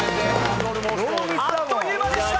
あっという間でした。